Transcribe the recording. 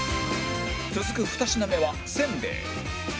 続く２品目はせんべい